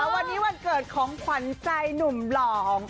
วันนี้วันเกิดของขวัญใจหนุ่มหล่อ